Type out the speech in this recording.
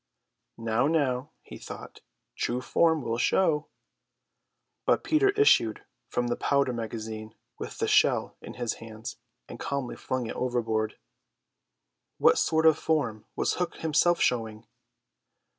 Now, now, he thought, true form will show. But Peter issued from the powder magazine with the shell in his hands, and calmly flung it overboard. What sort of form was Hook himself showing?